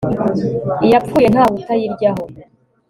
iyapfuye ntawe utayiryaho